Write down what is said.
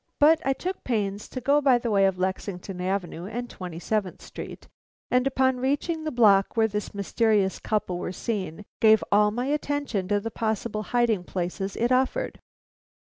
But I took pains to go by the way of Lexington Avenue and Twenty seventh Street, and upon reaching the block where this mysterious couple were seen, gave all my attention to the possible hiding places it offered.